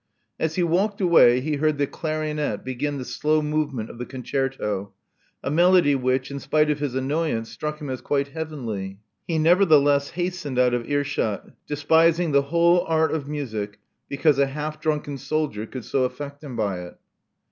As he walked away he heard the clarionet begin the slow movement of the concerto, a melody which, in spite of his annoyance, struck him as quite heavenly. He nevertheless hastened out of earshot, despising the whole art of music because a half drunken soldier could so affect him by it.